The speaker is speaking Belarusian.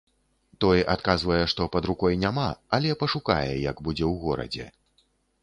Той адказвае, што пад рукой няма, але пашукае, як будзе ў горадзе.